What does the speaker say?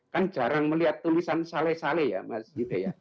kan jarang melihat tulisan sale sale ya mas yuda ya